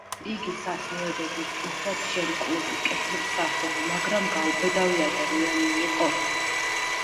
იგი სათნოებებით უხვად შემკული, კეთილმსახური, მაგრამ გაუბედავი ადამიანი იყო.